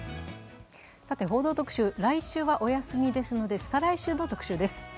「報道特集」来週はお休みですので、再来週の特集です。